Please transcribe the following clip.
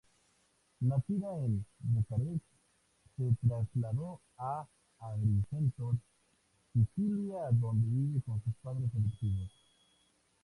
Nacida en Bucarest, se trasladó a Agrigento, Sicilia, donde vive con sus padres adoptivos.